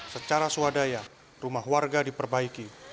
secara swadaya rumah warga diperbaiki